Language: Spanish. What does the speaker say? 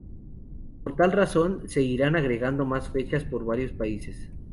Por tal razón, se irán agregando más fechas por varios países.